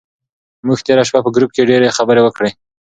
موږ تېره شپه په ګروپ کې ډېرې خبرې وکړې.